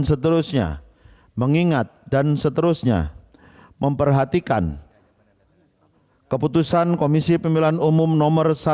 seterusnya mengingat dan seterusnya memperhatikan keputusan komisi pemilihan umum no seribu satu ratus tiga puluh satu